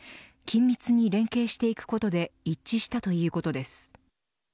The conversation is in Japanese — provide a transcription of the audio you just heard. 緊密に連携していくことで一致したということです。